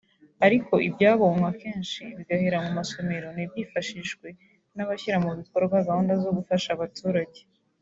ariko ibyabonywe akenshi bigahera mu masomero ntibyifashishwe n’abashyira mu bikorwa gahunda zo gufasha abaturage